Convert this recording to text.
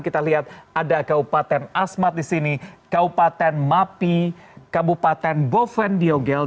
kita lihat ada kabupaten asmat di sini kabupaten mapi kabupaten bovendiogel